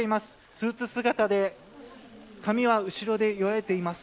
スーツ姿で髪は後ろで結わえています。